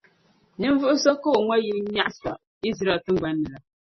ninvuɣ’ so ka o ŋma yil’ nyaɣisa Izraɛl tiŋgbɔŋ ni la.